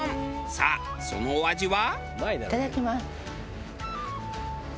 さあそのお味は。